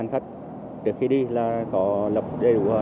nhu cầu đi lại tăng cao